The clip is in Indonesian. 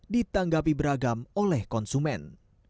ditanggapi beragam oleh konsumen